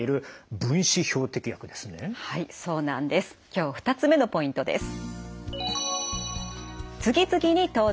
今日２つ目のポイントです。